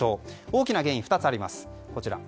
大きな原因は２つあります。